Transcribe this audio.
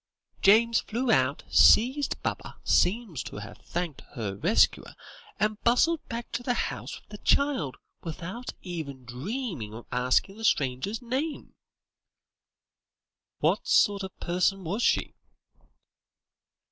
James flew out, seized Baba, seems to have thanked her rescuer, and bustled back to the house with the child, without ever dreaming of asking the stranger her name." "What sort of a person was she?"